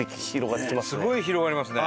すごい広がりますね。